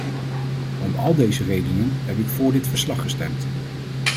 Om al deze redenen heb ik voor dit verslag gestemd.